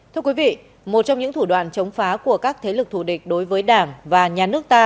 thưa quý vị một trong những thủ đoạn chống phá của các thế lực thủ địch đối với đảng và nhà nước ta